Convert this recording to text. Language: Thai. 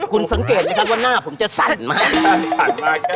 คุณสังเกตนักงานว่าหน้าผมจะสั่นมาก